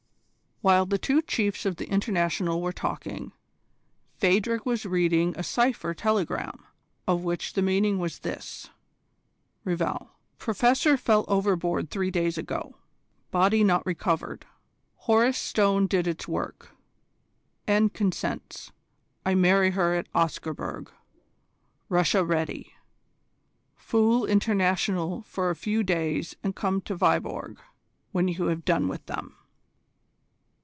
While the two Chiefs of the International were talking, Phadrig was reading a cypher telegram, of which the meaning was this: "REVAL. Professor fell overboard three days ago. Body not recovered. Horus Stone did its work. N. consents. I marry her at Oscarburg. Russia ready. Fool International for a few days and come to Viborg when you have done with them.